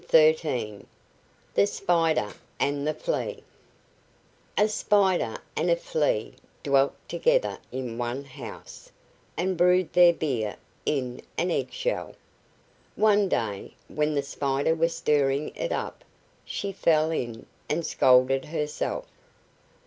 THE SPIDER AND THE FLEA A Spider and a Flea dwelt together in one house, and brewed their beer in an egg shell. One day, when the Spider was stirring it up, she fell in and scalded herself.